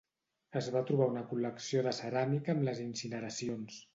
Es va trobar una col·lecció de ceràmica amb les incineracions.